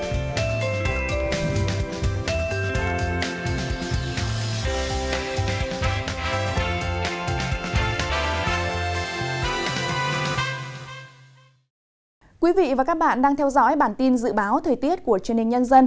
thưa quý vị và các bạn đang theo dõi bản tin dự báo thời tiết của truyền hình nhân dân